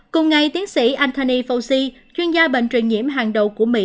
cùng ngày tiến sĩ antany fauci chuyên gia bệnh truyền nhiễm hàng đầu của mỹ